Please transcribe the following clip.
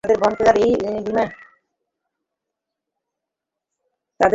তাঁদের বহনকারী বিমানটি জ্বালানি সংগ্রহের জন্য শাহজালাল আন্তর্জাতিক বিমানবন্দরে অবতরণ করবে।